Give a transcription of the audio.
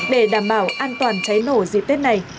để đảm bảo an toàn cháy nổ dịp tết này